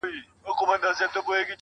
اوس په اسانه باندي هيچا ته لاس نه ورکوم~